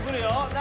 何？